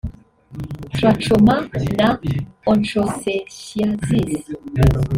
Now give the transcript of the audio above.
Trachoma na Onchocerciasis